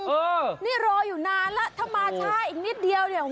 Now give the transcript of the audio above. เออนี่รออยู่นานแล้วถ้ามาช้าอีกนิดเดียวเนี่ย